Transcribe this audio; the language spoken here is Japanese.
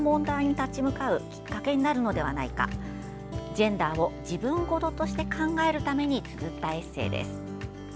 ジェンダーを自分ごととして考えるためにつづったエッセーです。